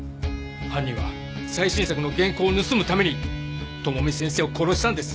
犯人は最新作の原稿を盗むために智美先生を殺したんです。